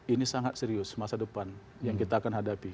ini sangat serius masa depan yang kita akan hadapi